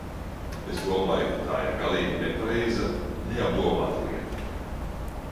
Es domāju, ka tā ir galīgi nepareiza, neapdomāta lieta.